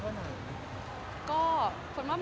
มันกระทุ่มกระทั่วมันสดใสเท่านั้น